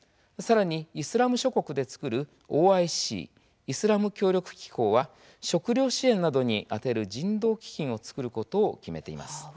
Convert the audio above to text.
さらにイスラム諸国で作るＯＩＣ・イスラム協力機構は食料支援などに充てる人道基金を作ることを決めています。